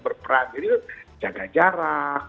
berperan jadi jaga jarak